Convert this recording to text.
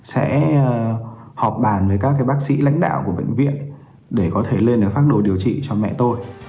sẽ họp bàn với các bác sĩ lãnh đạo của bệnh viện để có thể lên phác đồ điều trị cho mẹ tôi